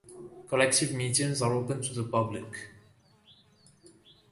Collective meetings are open to the public.